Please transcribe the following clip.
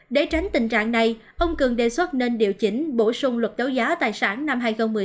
để tránh tình trạng này ông cường đề xuất nên điều chỉnh bổ sung luật đấu giá tài sản năm hai nghìn một mươi sáu